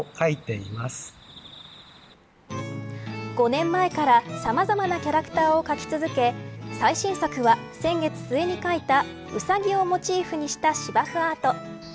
５年前からさまざまなキャラクターを描き続け最新作は先月末に描いたウサギをモチーフにした芝生アート。